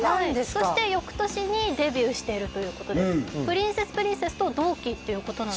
そして翌年にデビューしているということでプリンセスプリンセスと同期っていうことなんですね